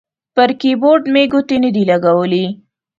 پر کیبورډ مې ګوتې نه دي لګولي